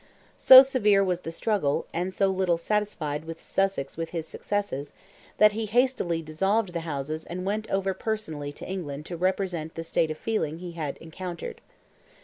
So severe was the struggle, and so little satisfied was Sussex with his success, that he hastily dissolved the Houses and went over personally to England to represent the state of feeling he had encountered.